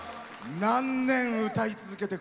何年歌い続けて？